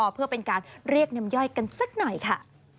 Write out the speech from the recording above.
เพื่อเป็นการเรียกน้ำย่อยกันสักหน่อยค่ะ